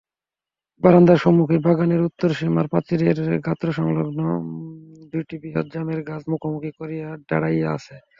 বারান্দার সম্মুখেই বাগানের উত্তরসীমার প্রাচীরের গাত্রসংলগ্ন দুইটি বৃহৎ জামের গাছ মুখামুখি করিয়া দাঁড়াইয়া আছে।